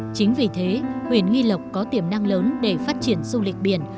chính vì thế huyện nghi lộc có tiềm năng lớn để phát triển du lịch biển